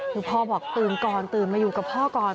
คือพ่อบอกตื่นก่อนตื่นมาอยู่กับพ่อก่อน